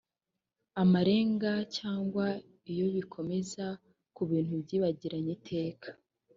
amarenga cyangwa iyo bikomoza ku bintu byibagiranye iteka